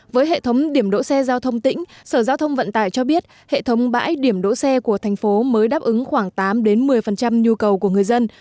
với hệ thống điểm đỗ xe giao thông tỉnh sở giao thông vận tải cho biết hệ thống bãi điểm đỗ xe của thành phố mới đáp ứng khoảng tám một mươi nhu cầu của người dân